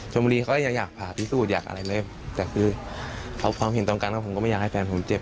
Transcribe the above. ชมบุรีเขาก็อยากผ่าพิสูจน์อยากอะไรเลยแต่คือเอาความเห็นตรงกันว่าผมก็ไม่อยากให้แฟนผมเจ็บ